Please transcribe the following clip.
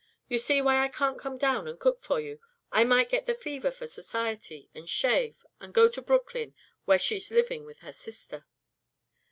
You see why I can't come down and cook for you. I might get the fever for society, and shave, and go to Brooklyn, where she's living with her sister."